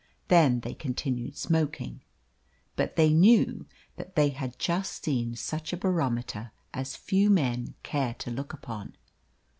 Then they continued smoking; but they knew that they had just seen such a barometer as few men care to look upon.